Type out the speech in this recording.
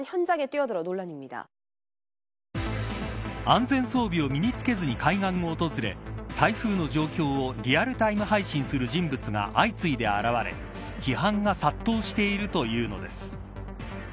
安全装備を身に着けずに海岸を訪れ台風の状況をリアルタイム配信する人物が相次いで現れ、批判が殺到しているというのです。